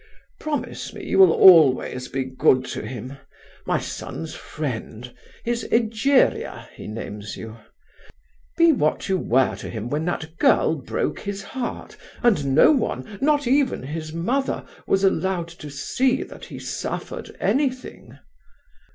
Promise me you will always be good to him; be my son's friend; his Egeria, he names you. Be what you were to him when that girl broke his heart, and no one, not even his mother, was allowed to see that he suffered anything.